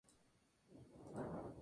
La gala dorada es de talla modesta.